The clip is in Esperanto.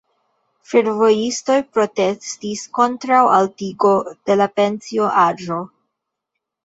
Fervojistoj protestis kontraŭ altigo de la pensio-aĝo.